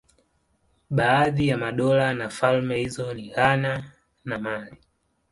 Baadhi ya madola na falme hizo ni Ghana na Mali.